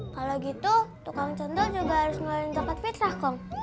kalau gitu tukang cendol juga harus ngeluarin jakat fitrah kong